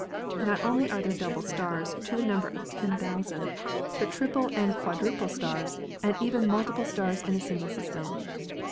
Not only are there double stars to the number of 10,000, VARIABLE AND BINARY STARS 285 but triple and quadruple stars and even multiple stars in a single system.